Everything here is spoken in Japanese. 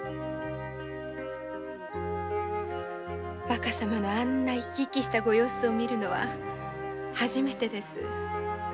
若様のあんな生き生きしたご様子を見るのは初めてです。